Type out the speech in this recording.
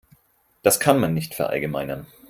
Das kann man nicht verallgemeinern.